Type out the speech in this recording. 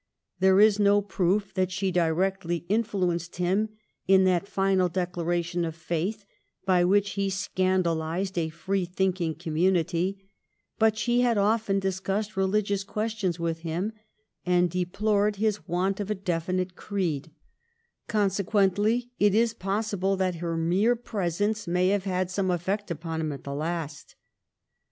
There is no proof that she directly influenced him in that final declaration of faith by which he scandalised a free thinking community ; but she had often discussed religious questions with him, and deplored his want of a definite creed ; conse* quently, it is possible that her mere presence may have had some effect upon him at the last.